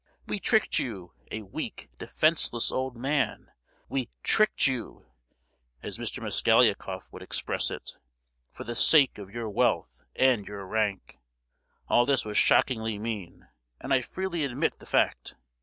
We tricked you, a weak defenceless old man, we tricked you (as Mr. Mosgliakoff would express it!) for the sake of your wealth, and your rank. All this was shockingly mean, and I freely admit the fact.